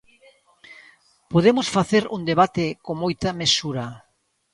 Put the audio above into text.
Podemos facer un debate con moita mesura.